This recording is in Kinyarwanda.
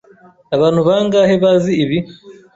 Abantu bangahe bazi ibi?